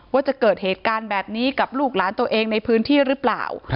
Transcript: ว่าจะเกิดเหตุการณ์แบบนี้กับลูกหลานตัวเองในพื้นที่หรือเปล่า